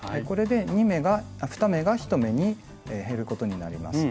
これで２目が１目に減ることになります。